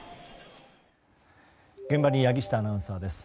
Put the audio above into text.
現場に柳下アナウンサーです。